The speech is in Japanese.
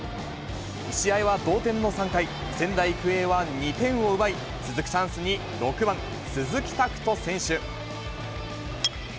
試合は同点の３回、仙台育英は２点を奪い、続くチャンスに６番鈴木拓斗選手。